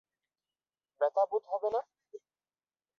ব্যথা বোধ হবে না।